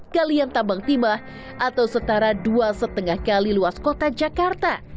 galian tambang timah atau setara dua lima kali luas kota jakarta